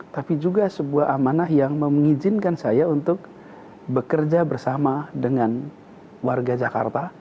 tapi juga sebuah amanah yang mengizinkan saya untuk bekerja bersama dengan warga jakarta